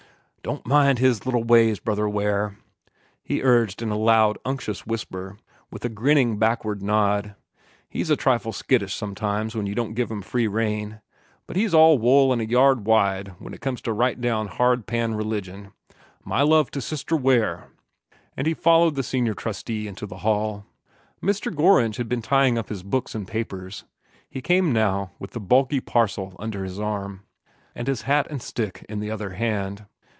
"Don't mind his little ways, Brother Ware," he urged in a loud, unctuous whisper, with a grinning backward nod: "he's a trifle skittish sometimes when you don't give him free rein; but he's all wool an' a yard wide when it comes to right down hard pan religion. My love to Sister Ware;" and he followed the senior trustee into the hall. Mr. Gorringe had been tying up his books and papers. He came now with the bulky parcel under his arm, and his hat and stick in the other hand.